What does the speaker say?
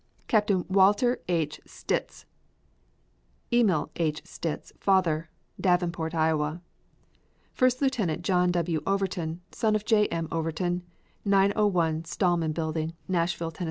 Captain Walter H. Sitz; Emil H. Sitz, father; Davenport, Iowa. First Lieutenant John W. Overton, son of J. M. Overton, 901 Stahlman Building, Nashville, Tenn.